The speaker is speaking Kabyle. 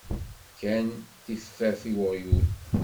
Fkan tiffaf i uɣyul.